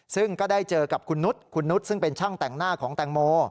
ซึ่งก็ได้เจอกับคุณนุษย์คุณนุษย์ซึ่งเป็นช่างแต่งหน้าของแตงโม